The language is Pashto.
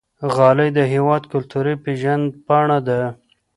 غالۍ د هېواد کلتوري پیژند پاڼه ده.